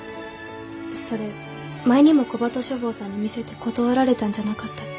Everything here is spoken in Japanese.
それ前にも小鳩書房さんに見せて断られたんじゃなかったっけ？